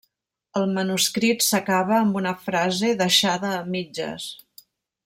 El manuscrit s'acaba amb una frase deixada a mitges.